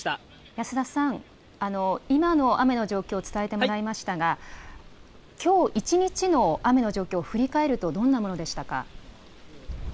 保田さん、今の雨の状況伝えてもらいましたが、きょう一日の雨の状況、振り返ると、どんなものでしたか？